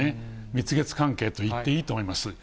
蜜月関係といっていいと思います。